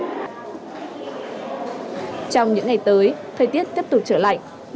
trong những ngày tới thời tiết tiếp tục trở lạnh